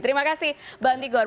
terima kasih mbak andi gor